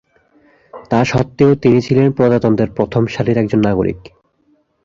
তা সত্ত্বেও তিনি ছিলেন প্রজাতন্ত্রের প্রথম সারির একজন নাগরিক।